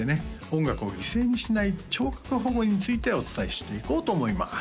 音楽を犠牲にしない聴覚保護についてお伝えしていこうと思います